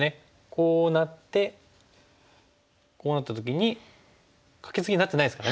こうなってこうなった時にカケツギになってないですからね。